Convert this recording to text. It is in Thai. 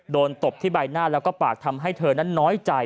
ตบที่ใบหน้าแล้วก็ปากทำให้เธอนั้นน้อยใจ